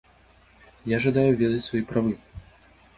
Я жадаю ведаць свае правы!